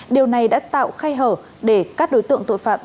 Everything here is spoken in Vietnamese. điều này đã tạo khay hở để các đối tượng tội phạm